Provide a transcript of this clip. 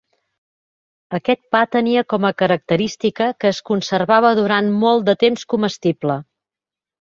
Aquest pa tenia com a característica que es conservava durant molt de temps comestible.